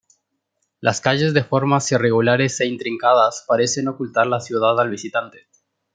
Las calles de formas irregulares e intrincadas, parecen ocultar la ciudad al visitante.